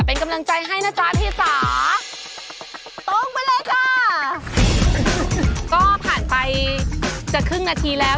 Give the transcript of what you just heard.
เป็นกำลังใจให้นะจ๊ะพี่จ๋าตรงไปเลยค่ะก็ผ่านไปจะครึ่งนาทีแล้ว